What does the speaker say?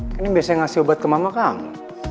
kan ini biasanya ngasih obat ke mama kang